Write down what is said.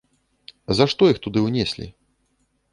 За што іх туды ўнеслі?